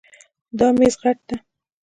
دا میز غټ ده